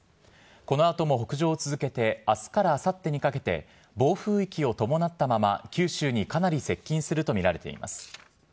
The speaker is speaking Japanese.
このあとも北上を続けて、あすからあさってにかけて暴風域を伴ったまま、九州にかなり接近すると見られています。